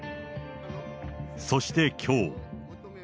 そしてきょう。